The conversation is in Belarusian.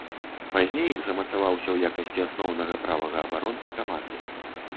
Пазней замацаваўся ў якасці асноўнага правага абаронцы каманды.